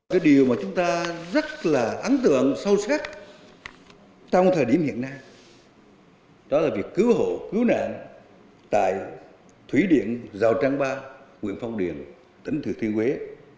cái điều mà chúng ta rất là ấn tượng sâu sắc trong thời điểm hiện nay đó là việc cứu hộ cứu nạn tại thủy điện rào trăng ba huyện phong điền tỉnh thừa thiên huế